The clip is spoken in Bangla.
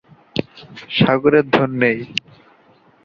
কমল হাসানের মেয়ে অভিনেত্রী শ্রুতি হাসান।